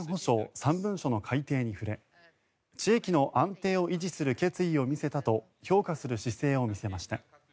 ３文書の改定に触れ地域の安定を維持する決意を見せたと評価する姿勢を見せました。